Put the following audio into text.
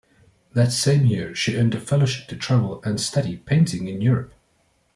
That same year, she earned a fellowship to travel and study painting in Europe.